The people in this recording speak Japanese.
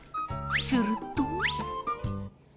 すると。